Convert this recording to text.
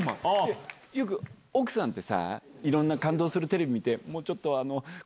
よく奥さんってさいろんな感動するテレビ見て。